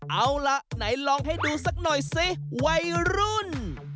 เอาล่ะไหนลองให้ดูสักหน่อยสิวัยรุ่น